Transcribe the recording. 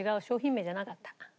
商品名じゃなかった。